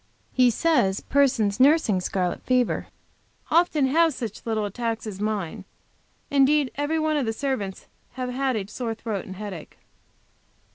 He says persons nursing scarlet fever often have such little attacks as mine; indeed every one of the servants have had a sore throat and headache.